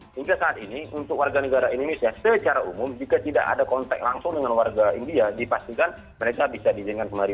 hingga saat ini untuk warga negara indonesia secara umum jika tidak ada kontak langsung dengan warga india dipastikan mereka bisa diizinkan kembali